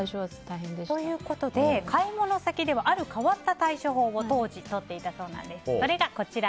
買い物先ではある変わった対処法を当時とっていたそうなんです。